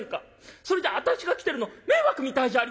それじゃ私が来てるの迷惑みたいじゃありません？」。